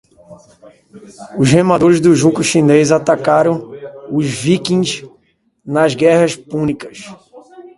Os remadores do junco chinês atacaram os viquingues nas Guerras Púnicas